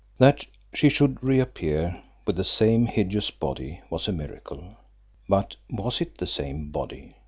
That she should re appear with the same hideous body was a miracle. But was it the same body?